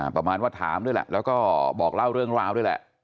ประมาณว่าถามด้วยแหละแล้วก็บอกเล่าเรื่องราวด้วยแหละ